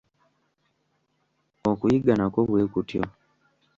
Okuyiga nakwo bwe kutyo.